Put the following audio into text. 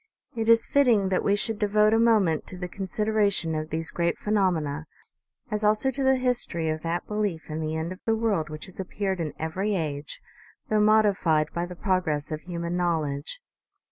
It is fitting that we should devote a moment to the consideration of these great phenomena, as also to the history of that belief in the end of the world which has appeared in every age, though mod ified by the progress of human knowledge.